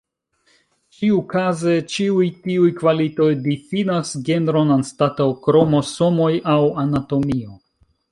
Ĉiukaze, ĉiuj tiuj kvalitoj difinas genron anstataŭ kromosomoj aŭ anatomio.